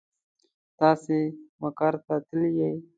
تاسې مقر ته تللي يئ.